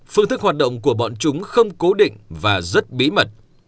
phương thức hoạt động của bọn chúng không cố định và rất bí mật